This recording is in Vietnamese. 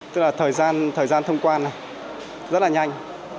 tức là thời gian thông quan này rất là nhanh